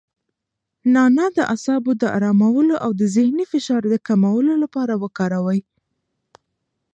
نعناع د اعصابو د ارامولو او د ذهني فشار د کمولو لپاره وکاروئ.